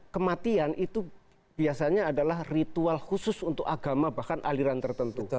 kematian itu biasanya adalah ritual khusus untuk agama bahkan aliran tertentu